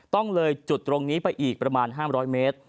เลยจุดตรงนี้ไปอีกประมาณ๕๐๐เมตร